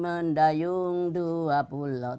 mendayung dua pulau